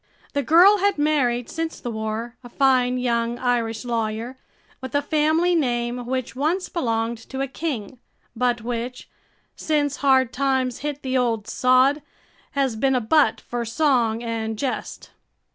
The girl had married since the war, a fine young Irish lawyer, with a family name which once belonged to a king but which, since hard times hit the old sod, has been a butt for song and jest.